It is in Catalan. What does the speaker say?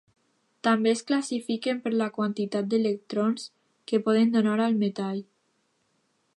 També es classifiquen per la quantitat d'electrons que poden donar al metall.